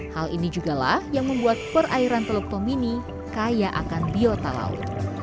hal ini juga lah yang membuat perairan teluk tomini kaya akan biota laut